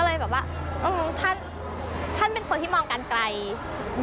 เลยแบบว่าท่านเป็นคนที่มองกันไกล